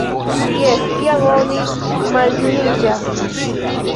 Jes, kiam oni maljuniĝas!